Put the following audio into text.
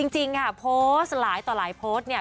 จริงค่ะโพสต์หลายต่อหลายโพสต์เนี่ย